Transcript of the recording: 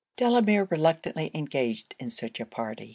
Delamere reluctantly engaged in such a party.